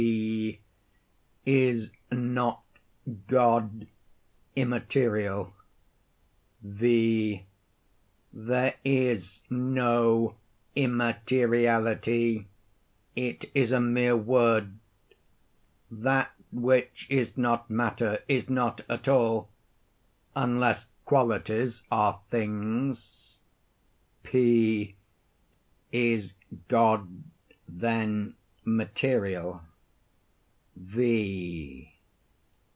P. Is not God immaterial? V. There is no immateriality—it is a mere word. That which is not matter, is not at all—unless qualities are things. P. Is God, then, material?